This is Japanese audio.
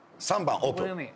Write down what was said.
３番オープン。